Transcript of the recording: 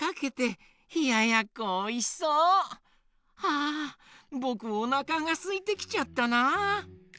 あぼくおなかがすいてきちゃったな。